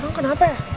tua orang kenapa ya